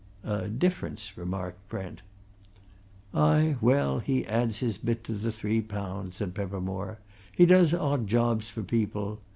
"A difference," remarked Brent. "Ay, well, he adds a bit to his three pound," said Peppermore. "He does odd jobs for people.